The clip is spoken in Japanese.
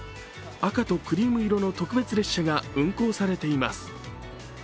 赤とクリーム色の特別列車が運行されています。